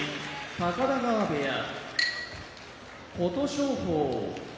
高田川部屋琴勝峰